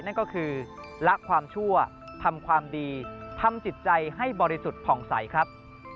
นั่นก็คือละความชั่วทำความดีทำจิตใจให้บริสุทธิ์ผ่องใสครับ